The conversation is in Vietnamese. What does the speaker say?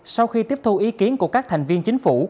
sau khi tiếp thu ý kiến của các thành viên chính phủ